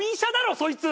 そいつ。